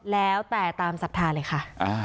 แล้วแต่ตามศัพท์ทางเลยค่ะ